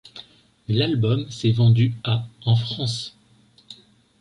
L'album s'est vendu à en France.